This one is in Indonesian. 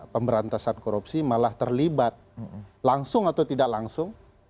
pemberantasan korupsi malah terlibat langsung atau tidak langsung